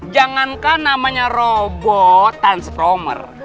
jangankan namanya robotan spromer